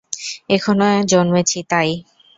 এখানে জন্মেছি তাই।